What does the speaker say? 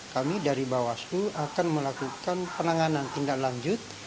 kami dari bawah seluruh akan melakukan penanganan tindak lanjut